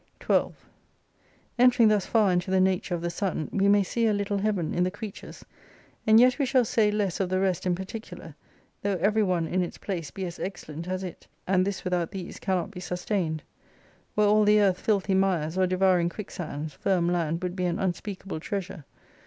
86 12 Entering thus far into the nature of the sun, we may see a little Heaven in the creatures. And yet we shall say less of the rest in particular : tho' every one in its place be as excellent as it : and this without these can not be sustained. Were all the earth filthy mires, or devouring quicksands, firm land would be an unspeak able treasure.